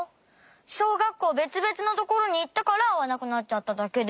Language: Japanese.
しょうがっこうべつべつのところにいったからあわなくなっちゃっただけで。